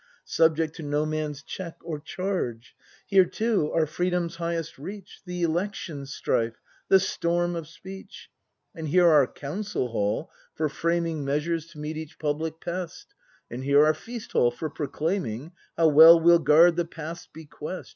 Subject to no man's check or charge; Here too our Freedom's highest reach. The election strife, the storm of speech; And here our Council Hall, for framing ACT IV] BRAND 175 Measures to meet each public pest; And here our Feast Hall, for proclaiming How well we'll guard the Past's bequest.